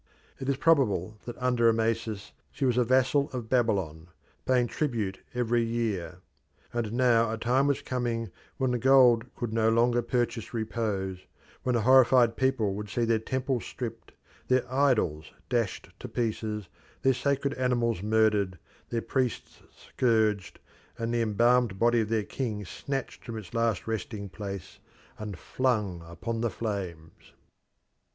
It is probable that under Amasis she was a vassal of Babylon, paying tribute every year; and now a time was coming when gold could no longer purchase repose, when the horrified people would see their temples stripped, their idols dashed to pieces, their sacred animals murdered, their priests scourged, and the embalmed body of their king snatched from its last resting place and flung upon the flames.